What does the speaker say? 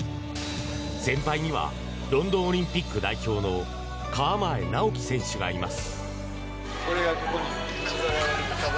先輩にはロンドンオリンピック代表の川前直樹選手がいます。